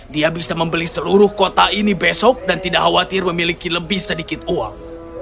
dia bisa membeli seluruh kota ini besok dan tidak khawatir memiliki lebih sedikit uang